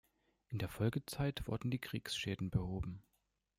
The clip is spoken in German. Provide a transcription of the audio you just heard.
In der Folgezeit wurden die Kriegsschäden behoben.